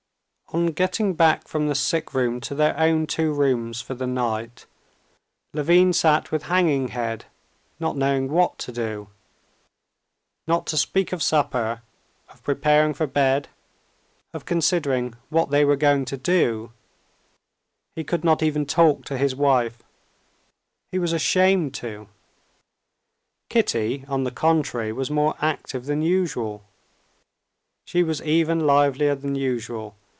On getting back from the sick room to their own two rooms for the night, Levin sat with hanging head not knowing what to do. Not to speak of supper, of preparing for bed, of considering what they were going to do, he could not even talk to his wife; he was ashamed to. Kitty, on the contrary, was more active than usual. She was even livelier than usual.